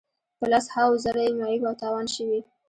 په لس هاوو زره یې معیوب او تاوان شوي.